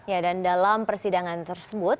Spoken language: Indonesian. ya dan dalam persidangan tersebut